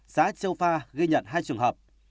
xã châu pha ghi nhận hai trường hợp